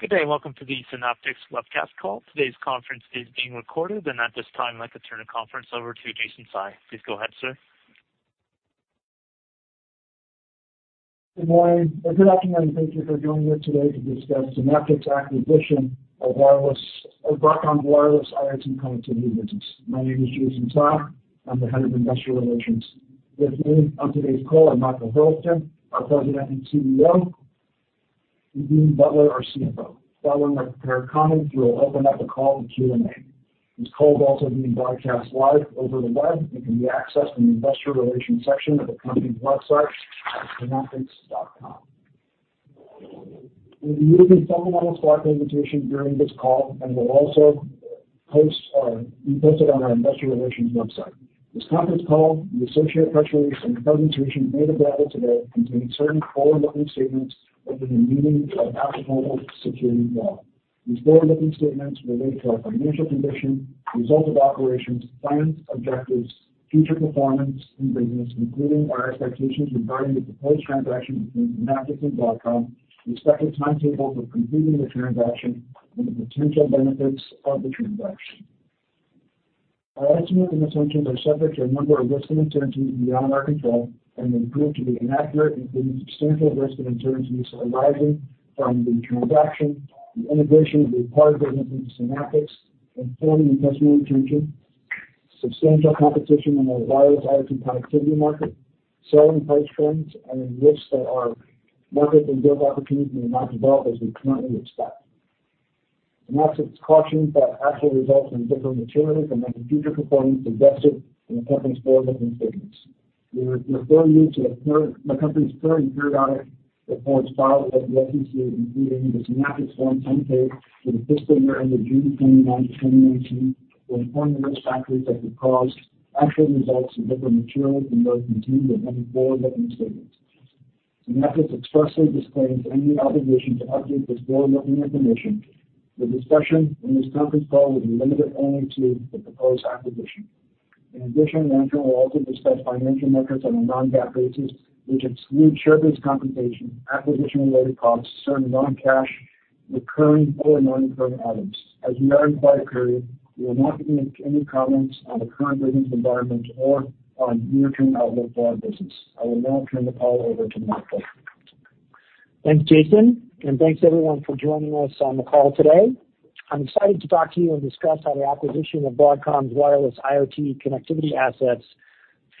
Good day. Welcome to the Synaptics webcast call. Today's conference is being recorded, and at this time, I'd like to turn the conference over to Jason Tsai. Please go ahead, sir. Good morning, or good afternoon. Thank you for joining me today to discuss Synaptics' acquisition of Broadcom's wireless IoT connectivity business. My name is Jason Tsai. I'm the Head of Investor Relations. With me on today's call are Michael Hurlston, our President and CEO, and Dean Butler, our CFO. Following their prepared comments, we will open up the call to Q&A. This call is also being broadcast live over the web and can be accessed from the investor relations section of the company's website at synaptics.com. We will be submitting a slide presentation during this call, and we'll also post it on our investor relations website. This conference call, the associated press release, and presentation made available today contain certain forward-looking statements within the meaning of applicable securities law. These forward-looking statements relate to our financial condition, results of operations, plans, objectives, future performance, and business, including our expectations regarding the proposed transaction between Synaptics and Broadcom, the expected timetable for completing the transaction, and the potential benefits of the transaction. Our estimates and assumptions are subject to a number of risks and uncertainties beyond our control and may prove to be inaccurate, including substantial risks and uncertainties arising from the transaction, the integration of the acquired business into Synaptics, and forming customer retention, substantial competition in the wireless IoT connectivity market, selling price trends, and the risks that our markets and growth opportunities may not develop as we currently expect. Synaptics cautions that actual results will differ materially from any future performance suggested in the company's forward-looking statements. We refer you to the company's current periodic reports filed with the SEC, including the Synaptics Form 10-K for the fiscal year ended June 29, 2019, which point to risk factors that could cause actual results to differ materially from those contained in any forward-looking statements. Synaptics expressly disclaims any obligation to update this forward-looking information. The discussion in this conference call will be limited only to the proposed acquisition. In addition, management will also discuss financial metrics on a non-GAAP basis, which exclude share-based compensation, acquisition-related costs, certain non-cash recurring or non-recurring items. As we are in quiet period, we will not make any comments on the current business environment or on near-term outlook for our business. I will now turn the call over to Michael. Thanks, Jason, and thanks, everyone, for joining us on the call today. I'm excited to talk to you and discuss how the acquisition of Broadcom's wireless IoT connectivity assets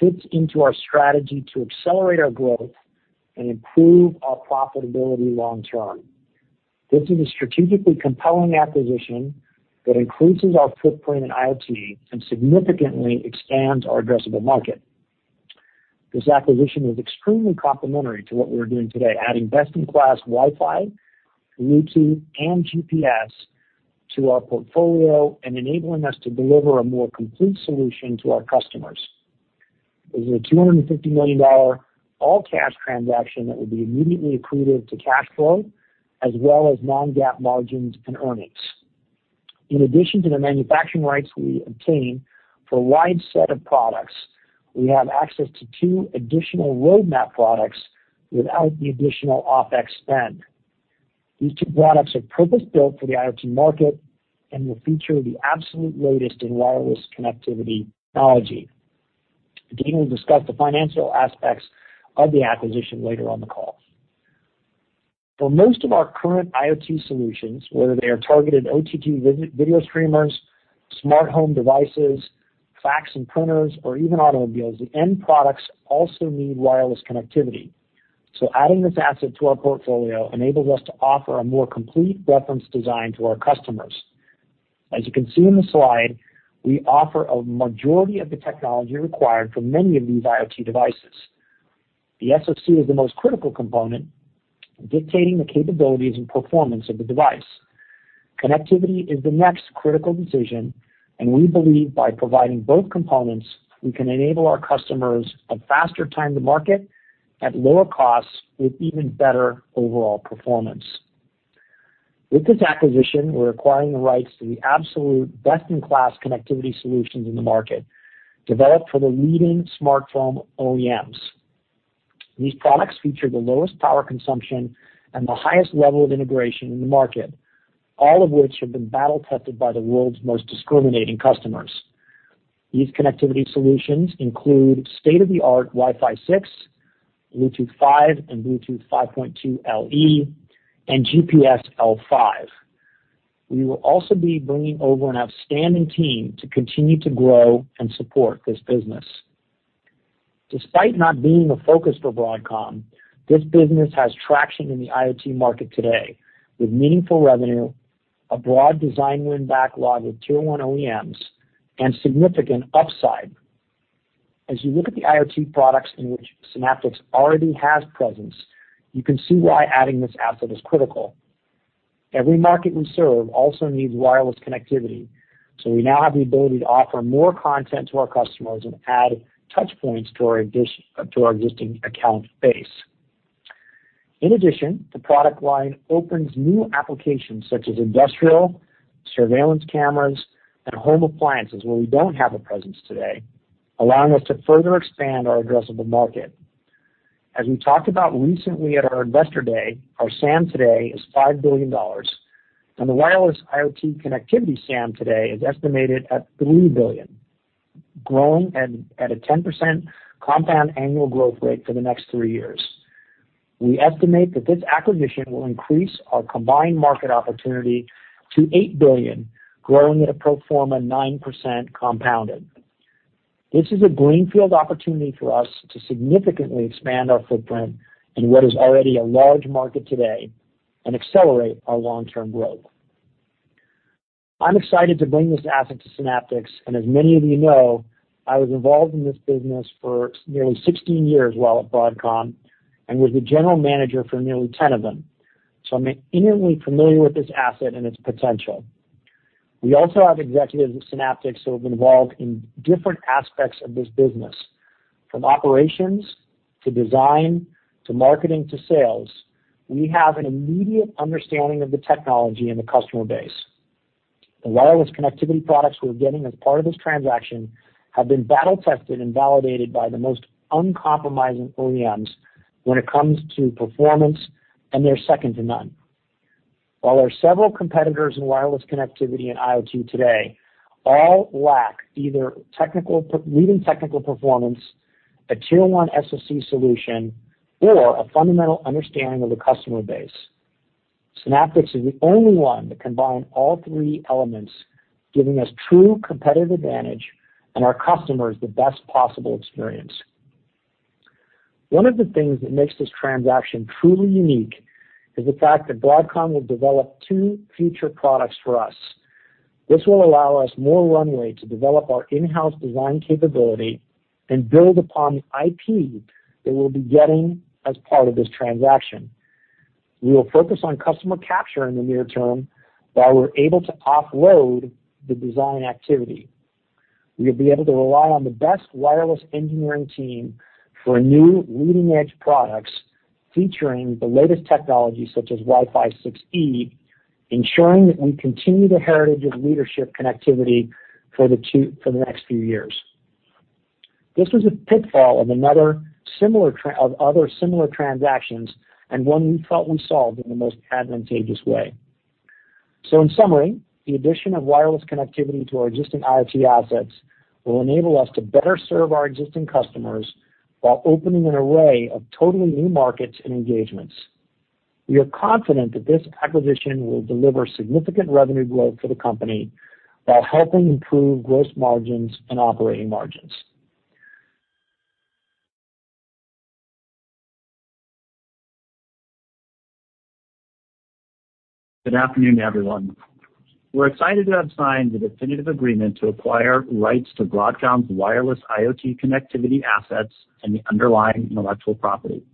fits into our strategy to accelerate our growth and improve our profitability long term. This is a strategically compelling acquisition that increases our footprint in IoT and significantly expands our addressable market. This acquisition is extremely complementary to what we're doing today, adding best-in-class Wi-Fi, Bluetooth, and GPS to our portfolio and enabling us to deliver a more complete solution to our customers. This is a $250 million all-cash transaction that will be immediately accretive to cash flow as well as non-GAAP margins and earnings. In addition to the manufacturing rights we obtain for a wide set of products, we have access to two additional roadmap products without the additional OPEX spend. These two products are purpose-built for the IoT market and will feature the absolute latest in wireless connectivity technology. Dean will discuss the financial aspects of the acquisition later on the call. For most of our current IoT solutions, whether they are targeted OTT video streamers, smart home devices, fax and printers, or even automobiles, the end products also need wireless connectivity. Adding this asset to our portfolio enables us to offer a more complete reference design to our customers. As you can see in the slide, we offer a majority of the technology required for many of these IoT devices. The SoC is the most critical component, dictating the capabilities and performance of the device. Connectivity is the next critical decision, and we believe by providing both components, we can enable our customers a faster time to market at lower costs with even better overall performance. With this acquisition, we're acquiring the rights to the absolute best-in-class connectivity solutions in the market, developed for the leading smartphone OEMs. These products feature the lowest power consumption and the highest level of integration in the market, all of which have been battle-tested by the world's most discriminating customers. These connectivity solutions include state-of-the-art Wi-Fi 6, Bluetooth 5 and Bluetooth 5.2 LE, and GPS L5. We will also be bringing over an outstanding team to continue to grow and support this business. Despite not being a focus for Broadcom, this business has traction in the IoT market today with meaningful revenue, a broad design win backlog with Tier 1 OEMs, and significant upside. As you look at the IoT products in which Synaptics already has presence, you can see why adding this asset is critical. Every market we serve also needs wireless connectivity, so we now have the ability to offer more content to our customers and add touchpoints to our existing account base. In addition, the product line opens new applications such as industrial, surveillance cameras, and home appliances where we don't have a presence today, allowing us to further expand our addressable market. As we talked about recently at our Investor Day, our SAM today is $5 billion. The wireless IoT connectivity SAM today is estimated at $3 billion, growing at a 10% compound annual growth rate for the next three years. We estimate that this acquisition will increase our combined market opportunity to $8 billion, growing at a pro forma 9% compounded. This is a greenfield opportunity for us to significantly expand our footprint in what is already a large market today and accelerate our long-term growth. I'm excited to bring this asset to Synaptics. As many of you know, I was involved in this business for nearly 16 years while at Broadcom and was the general manager for nearly 10 of them. I'm intimately familiar with this asset and its potential. We also have executives at Synaptics who have been involved in different aspects of this business, from operations to design to marketing to sales. We have an immediate understanding of the technology and the customer base. The wireless connectivity products we're getting as part of this transaction have been battle-tested and validated by the most uncompromising OEMs when it comes to performance. They're second to none. While there are several competitors in wireless connectivity and IoT today, all lack either leading technical performance, a tier 1 SoC solution, or a fundamental understanding of the customer base. Synaptics is the only one that combine all three elements, giving us true competitive advantage and our customers the best possible experience. One of the things that makes this transaction truly unique is the fact that Broadcom will develop two future products for us. This will allow us more runway to develop our in-house design capability and build upon the IP that we'll be getting as part of this transaction. We will focus on customer capture in the near term, while we're able to offload the design activity. We'll be able to rely on the best wireless engineering team for new leading-edge products featuring the latest technology such as Wi-Fi 6E, ensuring that we continue the heritage of leadership connectivity for the next few years. This was a pitfall of other similar transactions, and one we felt we solved in the most advantageous way. In summary, the addition of wireless connectivity to our existing IoT assets will enable us to better serve our existing customers while opening an array of totally new markets and engagements. We are confident that this acquisition will deliver significant revenue growth for the company while helping improve gross margins and operating margins. Good afternoon, everyone. We're excited to have signed the definitive agreement to acquire rights to Broadcom's wireless IoT connectivity assets and the underlying intellectual property.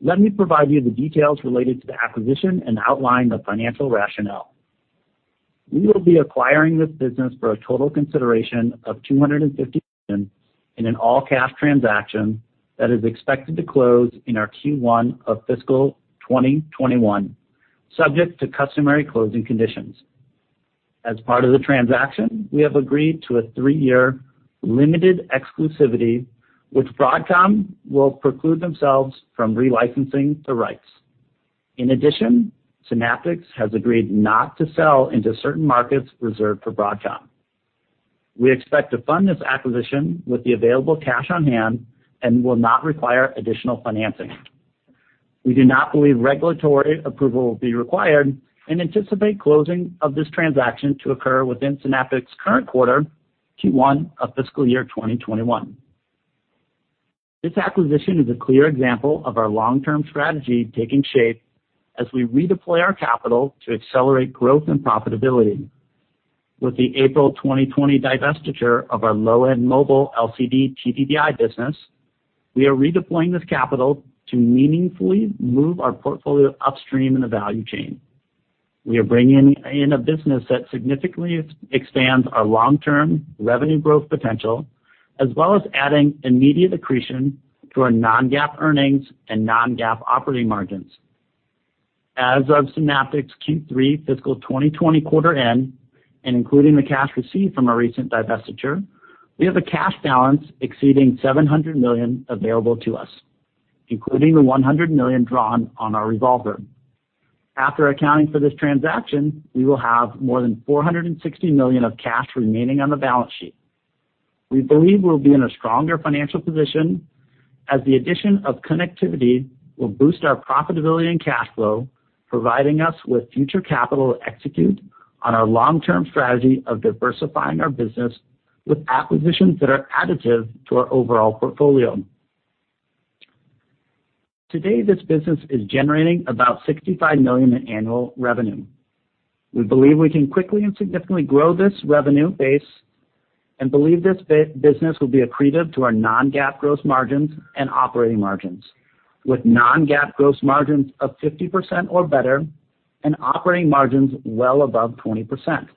Let me provide you the details related to the acquisition and outline the financial rationale. We will be acquiring this business for a total consideration of $250 million in an all-cash transaction that is expected to close in our Q1 of fiscal 2021, subject to customary closing conditions. As part of the transaction, we have agreed to a three-year limited exclusivity, which Broadcom will preclude themselves from re-licensing the rights. In addition, Synaptics has agreed not to sell into certain markets reserved for Broadcom. We expect to fund this acquisition with the available cash on hand and will not require additional financing. We do not believe regulatory approval will be required and anticipate closing of this transaction to occur within Synaptics' current quarter, Q1 of fiscal year 2021. This acquisition is a clear example of our long-term strategy taking shape as we redeploy our capital to accelerate growth and profitability. With the April 2020 divestiture of our low-end mobile LCD TDDI business, we are redeploying this capital to meaningfully move our portfolio upstream in the value chain. We are bringing in a business that significantly expands our long-term revenue growth potential, as well as adding immediate accretion to our non-GAAP earnings and non-GAAP operating margins. As of Synaptics Q3 fiscal 2020 quarter end, and including the cash received from our recent divestiture, we have a cash balance exceeding $700 million available to us, including the $100 million drawn on our revolver. After accounting for this transaction, we will have more than $460 million of cash remaining on the balance sheet. We believe we'll be in a stronger financial position, as the addition of connectivity will boost our profitability and cash flow, providing us with future capital to execute on our long-term strategy of diversifying our business with acquisitions that are additive to our overall portfolio. Today, this business is generating about $65 million in annual revenue. We believe we can quickly and significantly grow this revenue base and believe this business will be accretive to our non-GAAP gross margins and operating margins, with non-GAAP gross margins of 50% or better and operating margins well above 20%.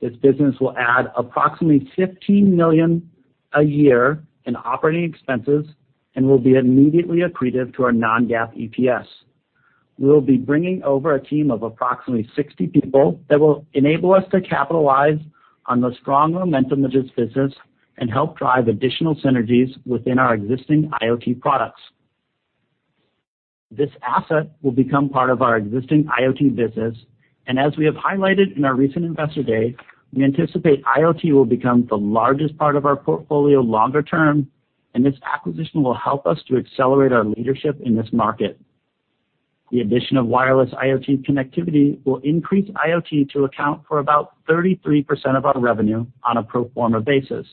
This business will add approximately $15 million a year in operating expenses and will be immediately accretive to our non-GAAP EPS. We'll be bringing over a team of approximately 60 people that will enable us to capitalize on the strong momentum of this business and help drive additional synergies within our existing IoT products. This asset will become part of our existing IoT business, and as we have highlighted in our recent Investor Day, we anticipate IoT will become the largest part of our portfolio longer term, and this acquisition will help us to accelerate our leadership in this market. The addition of wireless IoT connectivity will increase IoT to account for about 33% of our revenue on a pro forma basis,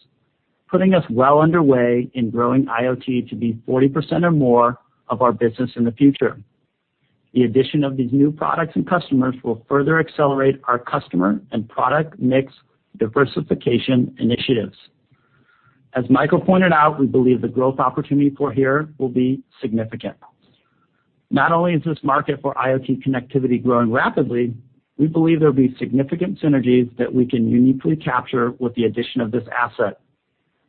putting us well underway in growing IoT to be 40% or more of our business in the future. The addition of these new products and customers will further accelerate our customer and product mix diversification initiatives. As Michael pointed out, we believe the growth opportunity for here will be significant. Not only is this market for IoT connectivity growing rapidly, we believe there will be significant synergies that we can uniquely capture with the addition of this asset.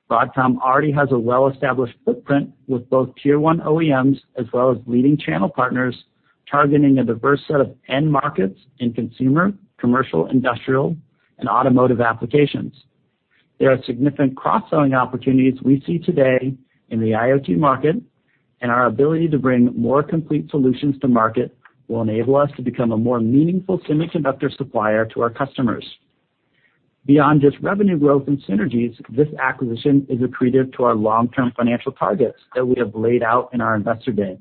Broadcom already has a well-established footprint with both Tier 1 OEMs as well as leading channel partners, targeting a diverse set of end markets in consumer, commercial, industrial, and automotive applications. There are significant cross-selling opportunities we see today in the IoT market, and our ability to bring more complete solutions to market will enable us to become a more meaningful semiconductor supplier to our customers. Beyond just revenue growth and synergies, this acquisition is accretive to our long-term financial targets that we have laid out in our Investor Day.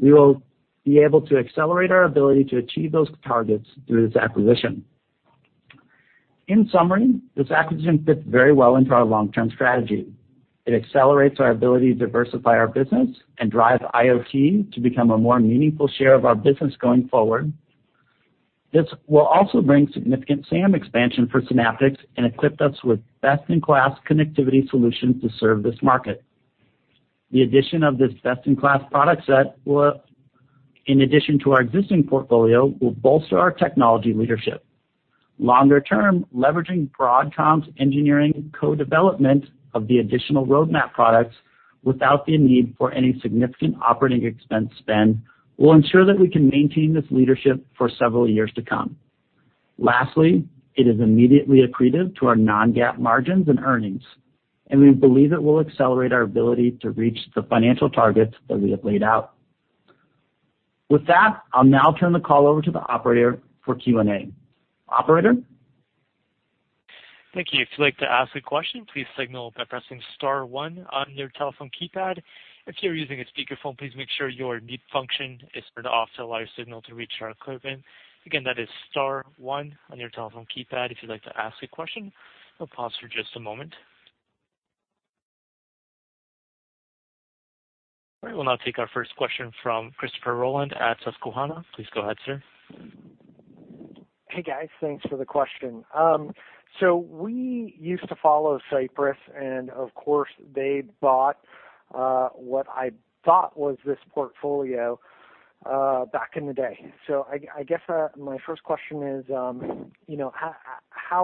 We will be able to accelerate our ability to achieve those targets through this acquisition. In summary, this acquisition fits very well into our long-term strategy. It accelerates our ability to diversify our business and drive IoT to become a more meaningful share of our business going forward. This will also bring significant SAM expansion for Synaptics and equip us with best-in-class connectivity solutions to serve this market. The addition of this best-in-class product set, in addition to our existing portfolio, will bolster our technology leadership. Longer term, leveraging Broadcom's engineering co-development of the additional roadmap products without the need for any significant operating expense spend will ensure that we can maintain this leadership for several years to come. Lastly, it is immediately accretive to our non-GAAP margins and earnings, and we believe it will accelerate our ability to reach the financial targets that we have laid out. With that, I'll now turn the call over to the operator for Q&A. Operator? Thank you. If you'd like to ask a question, please signal by pressing *1 on your telephone keypad. If you're using a speakerphone, please make sure your mute function is turned off to allow your signal to reach our equipment. Again, that is *1 on your telephone keypad if you'd like to ask a question. I'll pause for just a moment. All right, we'll now take our first question from Christopher Rolland at Susquehanna. Please go ahead, sir. Hey, guys. Thanks for the question. We used to follow Cypress, and of course, they bought what I thought was this portfolio back in the day. I guess my first question is, how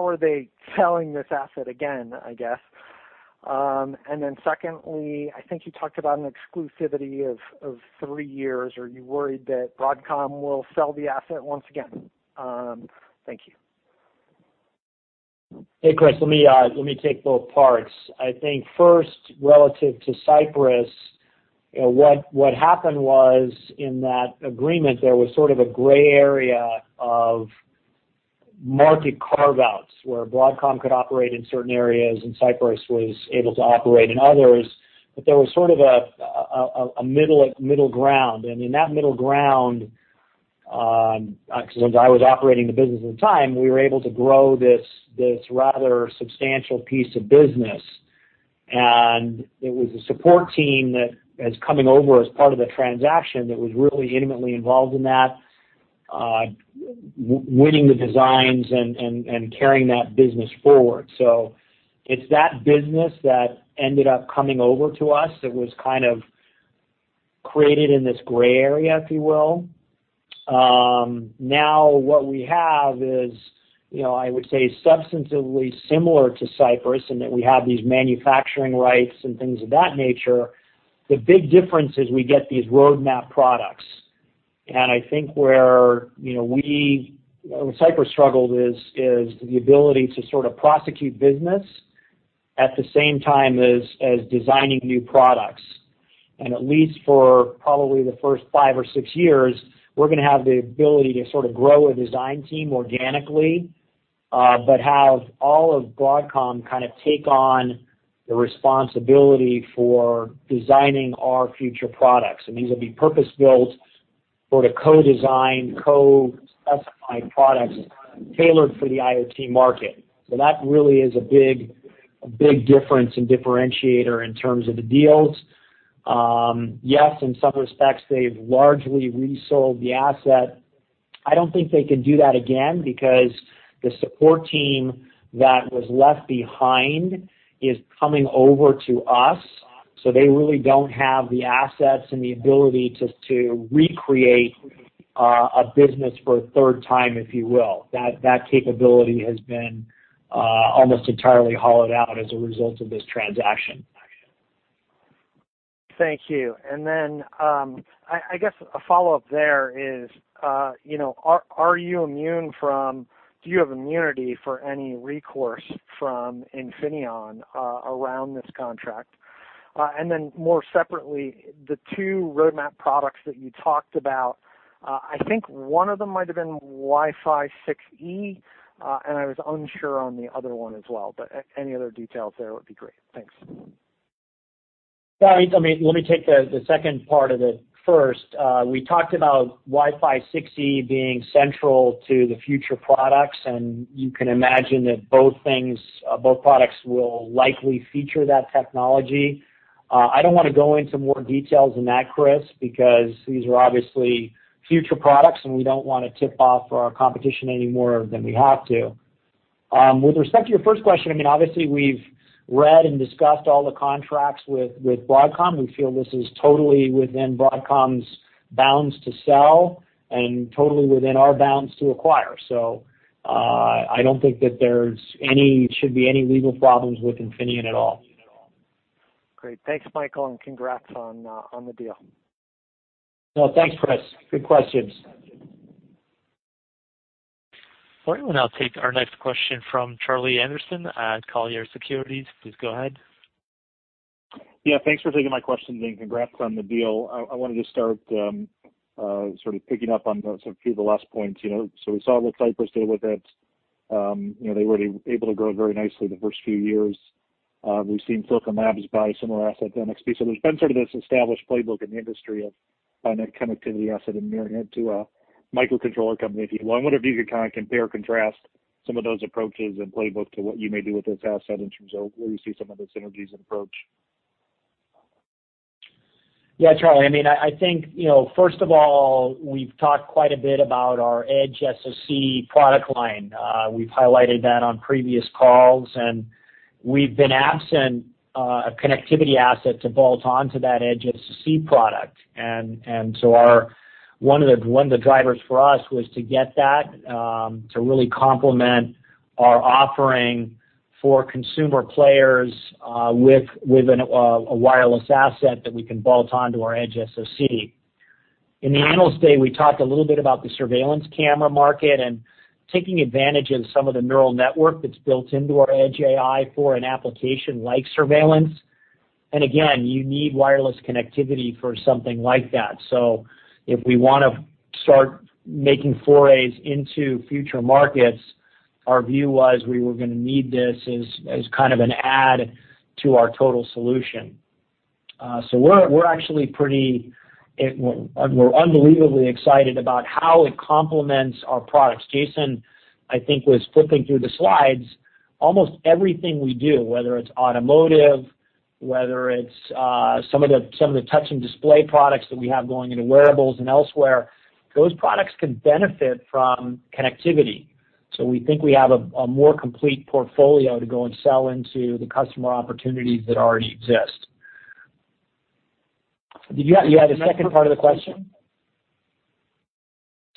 are they selling this asset again, I guess? Secondly, I think you talked about an exclusivity of three years. Are you worried that Broadcom will sell the asset once again? Thank you. Hey, Chris, let me take both parts. I think first, relative to Cypress, what happened was in that agreement, there was sort of a gray area of market carve-outs where Broadcom could operate in certain areas and Cypress was able to operate in others. There was sort of a middle ground. In that middle ground, because I was operating the business at the time, we were able to grow this rather substantial piece of business. It was a support team that is coming over as part of the transaction that was really intimately involved in that, winning the designs and carrying that business forward. It's that business that ended up coming over to us that was kind of created in this gray area, if you will. Now, what we have is, I would say, substantively similar to Cypress in that we have these manufacturing rights and things of that nature. The big difference is we get these roadmap products. I think where Cypress struggled is the ability to sort of prosecute business at the same time as designing new products. At least for probably the first five or six years, we're going to have the ability to sort of grow a design team organically, but have all of Broadcom kind of take on the responsibility for designing our future products. These will be purpose-built, sort of co-designed, co-specified products tailored for the IoT market. That really is a big difference and differentiator in terms of the deals. Yes, in some respects, they've largely resold the asset. I don't think they can do that again because the support team that was left behind is coming over to us. They really don't have the assets and the ability to recreate a business for a third time, if you will. That capability has been almost entirely hollowed out as a result of this transaction. Thank you. I guess a follow-up there is, do you have immunity for any recourse from Infineon around this contract? More separately, the two roadmap products that you talked about, I think one of them might have been Wi-Fi 6E, and I was unsure on the other one as well, but any other details there would be great. Thanks. Yeah. Let me take the second part of it first. We talked about Wi-Fi 6E being central to the future products, and you can imagine that both products will likely feature that technology. I don't want to go into more details than that, Chris, because these are obviously future products, and we don't want to tip off our competition any more than we have to. With respect to your first question, obviously we've read and discussed all the contracts with Broadcom. We feel this is totally within Broadcom's bounds to sell and totally within our bounds to acquire. I don't think that there should be any legal problems with Infineon at all. Great. Thanks, Michael, and congrats on the deal. Well, thanks, Chris. Good questions. All right, we'll now take our next question from Charlie Anderson at Colliers Securities. Please go ahead. Thanks for taking my question, and congrats on the deal. I wanted to start sort of picking up on sort of a few of the last points. We saw what Cypress did with it. They were able to grow very nicely the first few years. We've seen Silicon Labs buy a similar asset, NXP. There's been sort of this established playbook in the industry of net connectivity asset and marrying it to a microcontroller company, if you will. I wonder if you could kind of compare or contrast some of those approaches and playbook to what you may do with this asset in terms of where you see some of the synergies approach. Yeah, Charlie, I think, first of all, we've talked quite a bit about our edge SoC product line. We've highlighted that on previous calls, and we've been absent a connectivity asset to bolt onto that edge SoC product. One of the drivers for us was to get that to really complement our offering for consumer players with a wireless asset that we can bolt onto our edge SoC. In the Analyst Day, we talked a little bit about the surveillance camera market and taking advantage of some of the neural network that's built into our edge AI for an application like surveillance. Again, you need wireless connectivity for something like that. If we want to start making forays into future markets, our view was we were going to need this as kind of an add to our total solution. We're unbelievably excited about how it complements our products. Jason, I think, was flipping through the slides. Almost everything we do, whether it's automotive, whether it's some of the touch and display products that we have going into wearables and elsewhere, those products could benefit from connectivity. We think we have a more complete portfolio to go and sell into the customer opportunities that already exist. You had a second part of the question?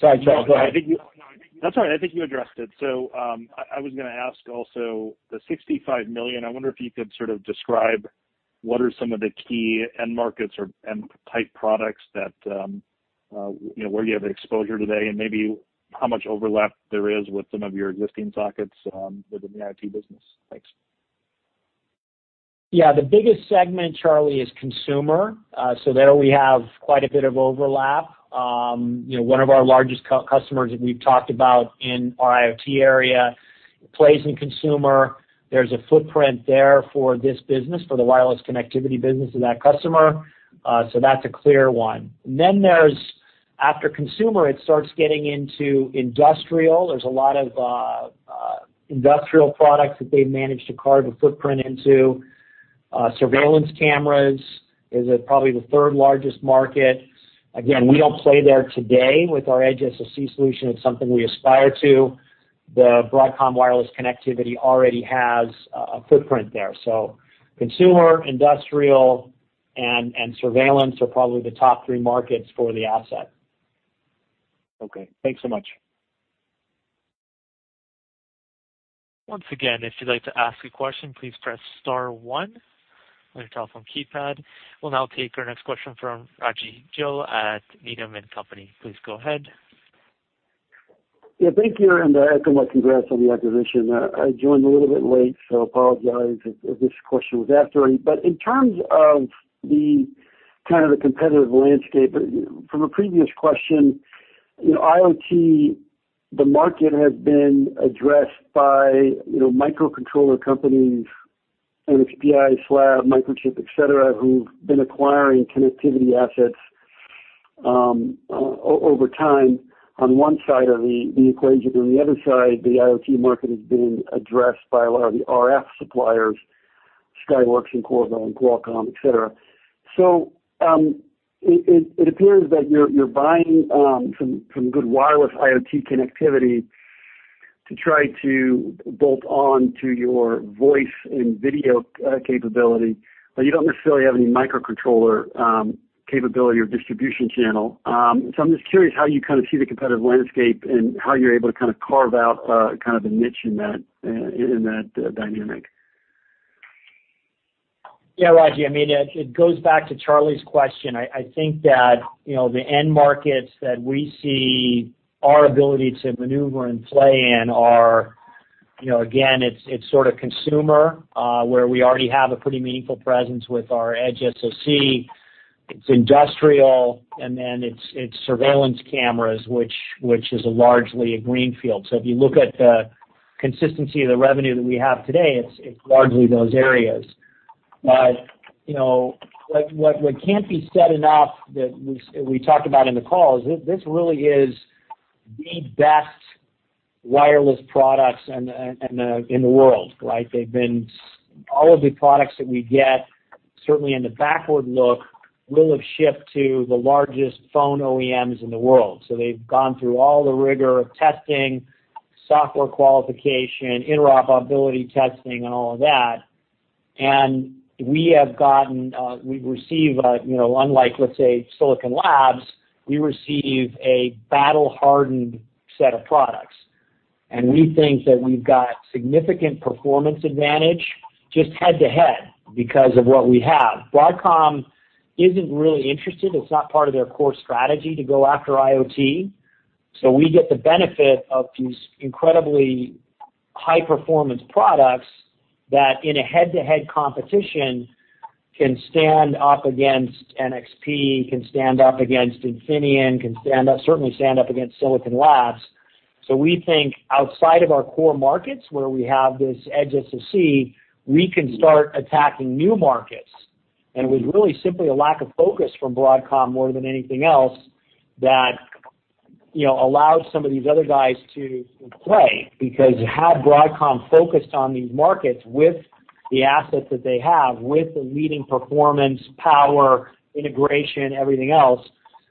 Sorry, Charlie, go ahead. No, that's all right. I think you addressed it. I was going to ask also, the $65 million, I wonder if you could sort of describe what are some of the key end markets or end type products where you have exposure today, and maybe how much overlap there is with some of your existing sockets within the IoT business. Thanks. Yeah. The biggest segment, Charlie, is consumer. There we have quite a bit of overlap. One of our largest customers that we've talked about in our IoT area plays in consumer. There's a footprint there for this business, for the wireless connectivity business of that customer. That's a clear one. After consumer, it starts getting into industrial. There's a lot of industrial products that they've managed to carve a footprint into. Surveillance cameras is probably the third largest market. Again, we don't play there today with our edge SoC solution. It's something we aspire to. The Broadcom wireless connectivity already has a footprint there. Consumer, industrial, and surveillance are probably the top three markets for the asset. Okay, thanks so much. Once again, if you'd like to ask a question, please press star one on your telephone keypad. We'll now take our next question from Rajvindra Gill at Needham & Company. Please go ahead. Thank you, and congrats on the acquisition. I joined a little bit late, apologize if this question was asked already. In terms of the kind of the competitive landscape, from a previous question, IoT, the market has been addressed by microcontroller companies, NXPI, SLAB, Microchip, et cetera, who've been acquiring connectivity assets over time on one side of the equation. On the other side, the IoT market has been addressed by a lot of the RF suppliers, Skyworks and Qualcomm, et cetera. It appears that you're buying some good wireless IoT connectivity to try to bolt on to your voice and video capability, but you don't necessarily have any microcontroller capability or distribution channel. I'm just curious how you kind of see the competitive landscape and how you're able to kind of carve out kind of a niche in that dynamic. Yeah, Raji. It goes back to Charlie's question. I think that the end markets that we see our ability to maneuver and play in are, again, it's sort of consumer, where we already have a pretty meaningful presence with our edge SoC. It's industrial, then it's surveillance cameras, which is largely a greenfield. If you look at the consistency of the revenue that we have today, it's largely those areas. What can't be said enough that we talked about in the call is this really is the best wireless products in the world, right? All of the products that we get, certainly in the backward look, will have shipped to the largest phone OEMs in the world. They've gone through all the rigor of testing, software qualification, interoperability testing, and all of that. We receive, unlike, let's say, Silicon Labs, we receive a battle-hardened set of products. We think that we've got significant performance advantage just head-to-head because of what we have. Broadcom isn't really interested. It's not part of their core strategy to go after IoT. We get the benefit of these incredibly high-performance products that, in a head-to-head competition, can stand up against NXP, can stand up against Infineon, can certainly stand up against Silicon Labs. We think outside of our core markets where we have this edge SoC, we can start attacking new markets. With really simply a lack of focus from Broadcom more than anything else that allowed some of these other guys to play, because had Broadcom focused on these markets with the assets that they have, with the leading performance, power, integration, everything else,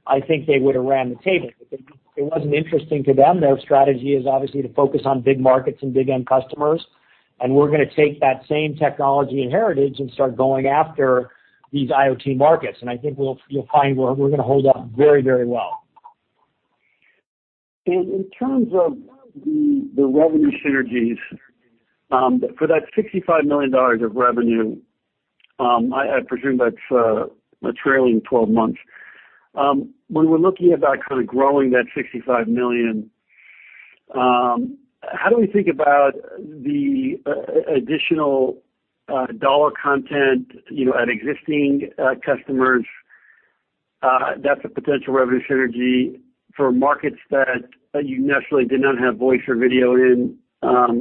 I think they would have ran the table. It wasn't interesting to them. Their strategy is obviously to focus on big markets and big end customers, and we're going to take that same technology and heritage and start going after these IoT markets. I think you'll find we're going to hold up very well. In terms of the revenue synergies, for that $65 million of revenue, I presume that's a trailing 12 months. When we're looking about kind of growing that $65 million, how do we think about the additional dollar content at existing customers? That's a potential revenue synergy for markets that you necessarily did not have voice or video in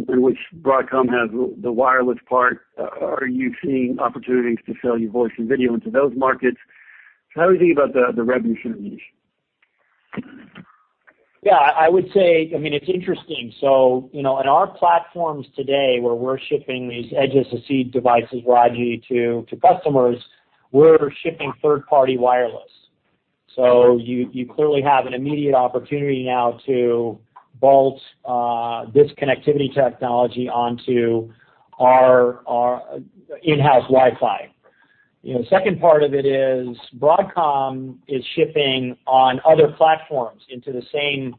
which Broadcom has the wireless part. Are you seeing opportunities to sell your voice and video into those markets? How are we thinking about the revenue synergies? Yeah, I would say, it's interesting. In our platforms today, where we're shipping these edge SoC devices, Raji, to customers, we're shipping third-party wireless. You clearly have an immediate opportunity now to bolt this connectivity technology onto our in-house Wi-Fi. Second part of it is Broadcom is shipping on other platforms into the same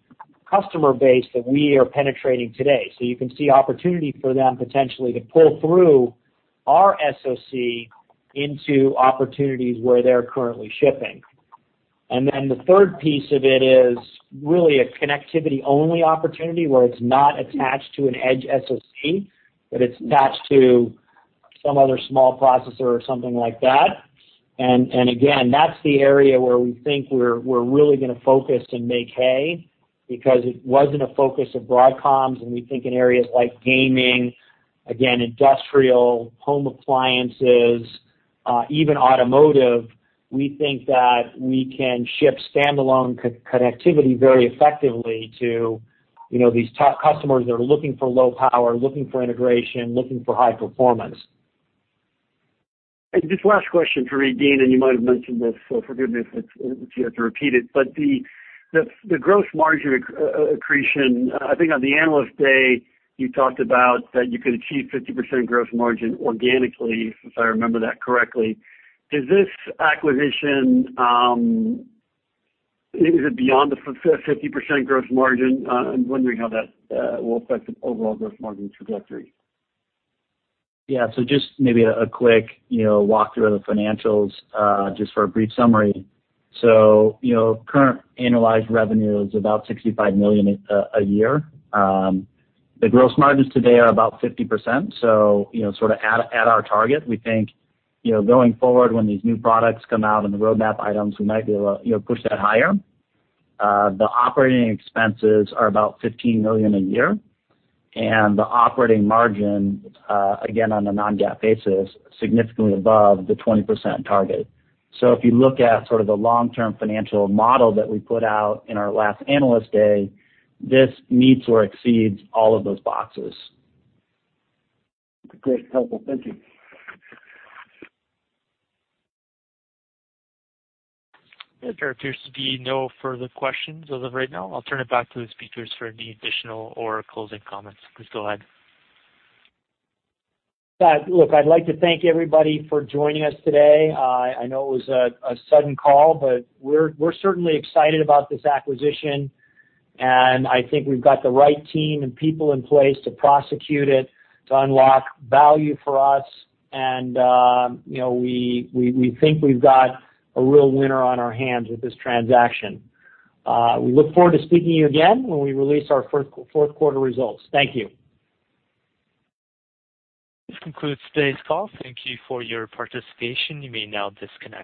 customer base that we are penetrating today. You can see opportunity for them potentially to pull through our SoC into opportunities where they're currently shipping. The third piece of it is really a connectivity-only opportunity where it's not attached to an edge SoC, but it's attached to some other small processor or something like that. Again, that's the area where we think we're really going to focus and make hay because it wasn't a focus of Broadcom's, and we think in areas like gaming, again, industrial, home appliances, even automotive, we think that we can ship standalone connectivity very effectively to these top customers that are looking for low power, looking for integration, looking for high performance. Just last question for Dean. Dean, you might have mentioned this, forgive me if you have to repeat it, but the gross margin accretion, I think on the Analyst Day, you talked about that you could achieve 50% gross margin organically, if I remember that correctly. Is this acquisition, is it beyond the 50% gross margin? I'm wondering how that will affect the overall gross margin trajectory. Just maybe a quick walk-through of the financials, just for a brief summary. Current annualized revenue is about $65 million a year. The gross margins today are about 50%, sort of at our target. We think, going forward, when these new products come out and the roadmap items, we might be able to push that higher. The operating expenses are about $15 million a year, the operating margin, again, on a non-GAAP basis, significantly above the 20% target. If you look at sort of the long-term financial model that we put out in our last Analyst Day, this meets or exceeds all of those boxes. Great. Helpful. Thank you. There appears to be no further questions as of right now. I'll turn it back to the speakers for any additional or closing comments. Please go ahead. Look, I'd like to thank everybody for joining us today. I know it was a sudden call, but we're certainly excited about this acquisition, and I think we've got the right team and people in place to prosecute it, to unlock value for us. We think we've got a real winner on our hands with this transaction. We look forward to speaking to you again when we release our fourth-quarter results. Thank you. This concludes today's call. Thank you for your participation. You may now disconnect.